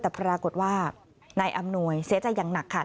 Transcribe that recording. แต่ปรากฏว่านายอำนวยเสียใจอย่างหนักค่ะ